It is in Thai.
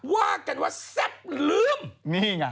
ว่ากันว่าแซ่บลืมนี่ไง